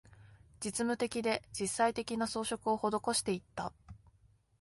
実務的で、実際的な、装飾を施していった